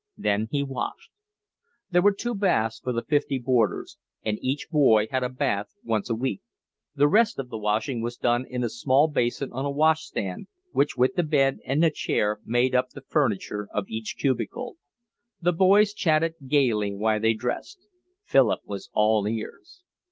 Then he washed. There were two baths for the fifty boarders, and each boy had a bath once a week. The rest of his washing was done in a small basin on a wash stand, which with the bed and a chair, made up the furniture of each cubicle. The boys chatted gaily while they dressed. Philip was all ears.